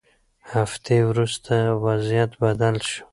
هفتې وروسته وضعیت بدل شو.